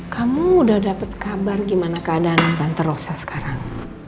kamu udah dapet kabar gimana keadaan tante rosa sekarang